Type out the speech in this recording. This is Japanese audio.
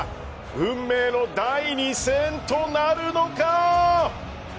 運命の第２戦となるのか？